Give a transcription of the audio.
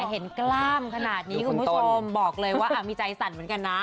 เห็นกล้ามขนาดนี้คุณผู้ชมบอกเลยว่ามีใจสั่นเหมือนกันนะ